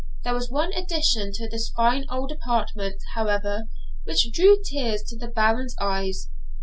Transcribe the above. There was one addition to this fine old apartment, however, which drew tears into the Baron's eyes.